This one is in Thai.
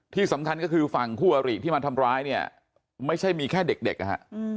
ที่สำคัญก็คือฝั่งคู่อริที่มาทำร้ายเนี่ยไม่ใช่มีแค่เด็กนะฮะ